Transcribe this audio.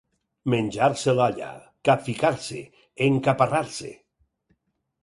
Menjar-se l'olla, capficar-se, encaparrar-se.